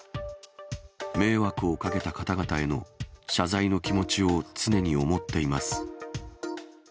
迷惑をかけた方々への謝罪の気持ちを常に思っています。